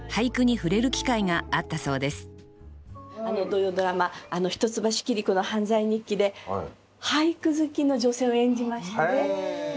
土曜ドラマ「一橋桐子の犯罪日記」で俳句好きの女性を演じましてね。